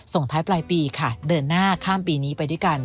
ส่งท้ายปลายปีค่ะเดินหน้าข้ามปีนี้ไปด้วยกัน